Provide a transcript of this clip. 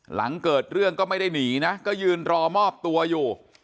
หลังเกิดเรื่องก็ไม่ได้หนีนะก็ยืนรอมอบตัวอยู่